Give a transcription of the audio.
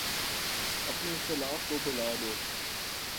اپنے اختلافات کو بھلا دو۔